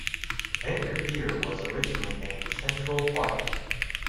Vander Veer was originally named Central Park.